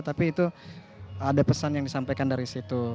tapi itu ada pesan yang disampaikan dari situ